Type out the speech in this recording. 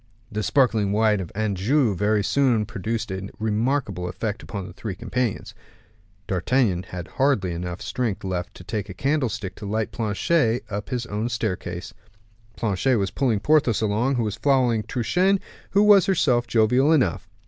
The sparkling wine of Anjou very soon produced a remarkable effect upon the three companions. D'Artagnan had hardly strength enough left to take a candlestick to light Planchet up his own staircase. Planchet was pulling Porthos along, who was following Truchen, who was herself jovial enough.